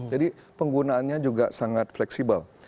jadi penggunaannya juga sangat fleksibel